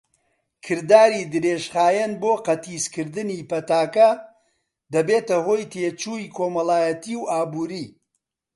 کرداری درێژخایەن بۆ قەتیسکردنی پەتاکە دەبێتە هۆی تێچووی کۆمەڵایەتی و ئابووری.